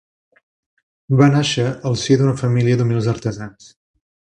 Va nàixer al si d'una família d'humils artesans.